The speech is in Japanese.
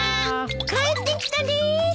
帰ってきたです！